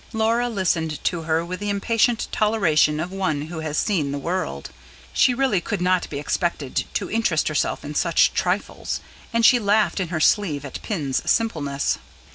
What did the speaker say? Laura listened to her with the impatient toleration of one who has seen the world: she really could not be expected to interest herself in such trifles; and she laughed in her sleeve at Pin's simpleness.